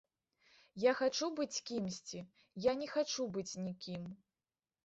Я хачу быць кімсьці, я не хачу быць нікім.